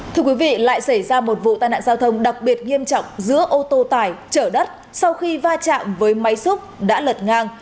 thưa quý vị lại xảy ra một vụ tai nạn giao thông đặc biệt nghiêm trọng giữa ô tô tải chở đất sau khi va chạm với máy xúc đã lật ngang